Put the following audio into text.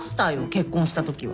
結婚したときは。